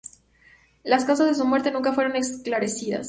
Las causas de su muerte nunca fueron esclarecidas.